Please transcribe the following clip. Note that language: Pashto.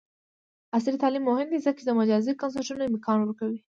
عصري تعلیم مهم دی ځکه چې د مجازی کنسرټونو امکان ورکوي.